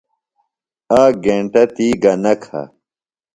آک گینٹہ تی گہ نہ کھہ۔